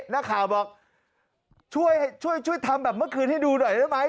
นักข่าวบอกช่วยช่วยทำแบบเมื่อคืนให้ดูหน่อยได้ไหม